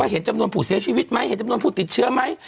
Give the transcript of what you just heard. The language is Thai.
เห็นจำนวนผู้เสียชีวิตไหมเห็นจำนวนผู้ติดเชื้อไหม